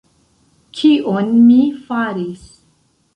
Kion mi faris?